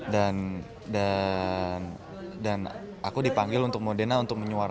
dan aku dipanggil untuk modena untuk menyusul